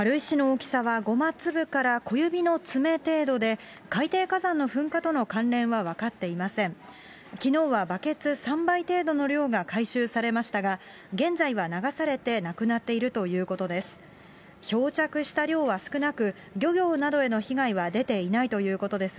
きのうはバケツ３杯程度の量が回収されましたが、現在は流されてなくなっているということです。